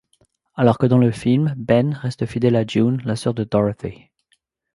Alors que dans le film, Ben reste fidèle à June, la sœur de Dorothy.